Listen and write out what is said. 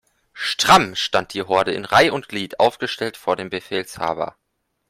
Stramm stand die Horde in Reih' und Glied aufgestellt vor dem Befehlshaber.